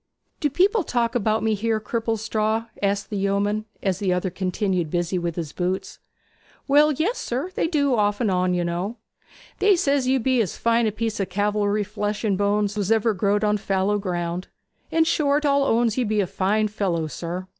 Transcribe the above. Do people talk about me here, Cripplestraw?' asked the yeoman, as the other continued busy with his boots. 'Well, yes, sir; they do off and on, you know. They says you be as fine a piece of calvery flesh and bones as was ever growed on fallow ground; in short, all owns that you be a fine fellow, sir.